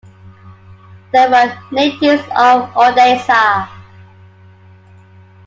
They were natives of Odessa.